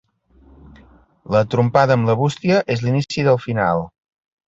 La trompada amb la bústia és l'inici del final.